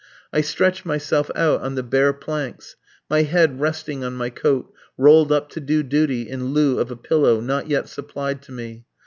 I stretched myself out on the bare planks, my head resting on my coat, rolled up to do duty in lieu of a pillow, not yet supplied to me.